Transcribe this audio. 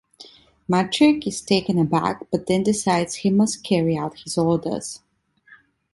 Maciek is taken aback, but then decides he must carry out his orders.